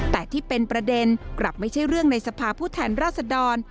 แต่ที่เป็นประเด็นกลับไม่ใช่เรื่องในสภาพผู้แทนราษดร